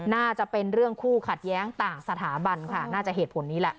น่าจะเป็นเรื่องคู่ขัดแย้งต่างสถาบันค่ะน่าจะเหตุผลนี้แหละ